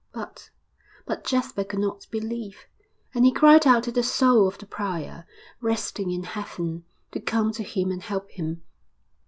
But but Jasper could not believe. And he cried out to the soul of the prior, resting in heaven, to come to him and help him.